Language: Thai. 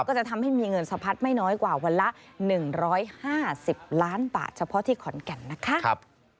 ก็จะทำให้มีเงินสะพัดไม่น้อยกว่าวันละ๑๕๐ล้านบาทเฉพาะที่ขอนแก่นนะคะ